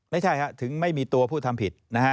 ไม่ใช่ถึงไม่มีตัวผู้ทำผิดนะฮะ